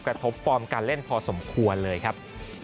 ฟอร์มการเล่นพอสมควรเลยครับ